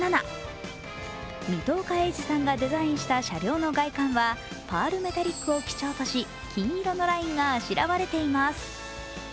水戸岡鋭治さんがデザインした車両の外観はパールメタリックと基調とし金色のラインがあしらわれています。